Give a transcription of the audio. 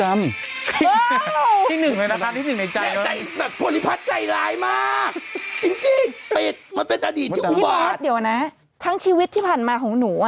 ไม่เคยเห็นที่มดเล่นเลยในชีวิตมาก่อน